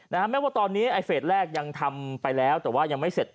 แม้ว่าตอนนี้ไอเฟสแรกยังทำไปแล้วแต่ว่ายังไม่เสร็จ